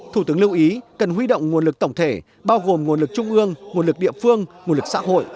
thủ tướng lưu ý cần huy động nguồn lực tổng thể bao gồm nguồn lực trung ương nguồn lực địa phương nguồn lực xã hội